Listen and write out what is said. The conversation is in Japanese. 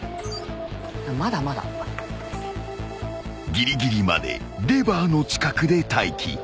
［ぎりぎりまでレバーの近くで待機。